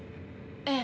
ええ。